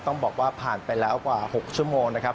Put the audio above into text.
ต้องบอกว่าผ่านไปแล้วกว่า๖ชั่วโมงนะครับ